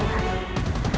aku akan menangkapmu